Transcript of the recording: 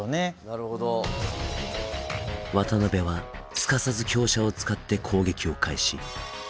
渡辺はすかさず香車を使って攻撃を開始。